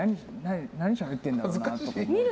何しゃべってるんだろうなって。